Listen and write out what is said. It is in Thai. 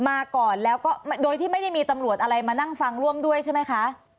มาก่อนแล้วก็โดยที่ไม่ได้มีตำรวจอะไรมานั่งฟังร่วมด้วยใช่ไหมคะ